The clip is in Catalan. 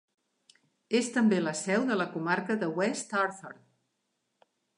És també la seu de la comarca de West Arthur.